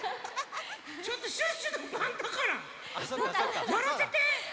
ちょっとシュッシュのばんだから！やらせて！